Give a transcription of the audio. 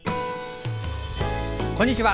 こんにちは。